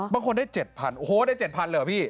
บางคนได้๗๐๐โอ้โหได้๗๐๐เลยเหรอพี่